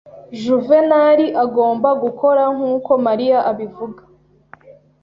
Juvenali agomba gukora nkuko Mariya abivuga.